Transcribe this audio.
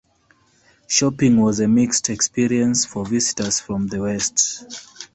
Shopping was a mixed experience for visitors from the West.